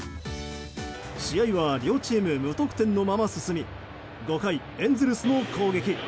試合は両チーム無得点のまま進み５回、エンゼルスの攻撃。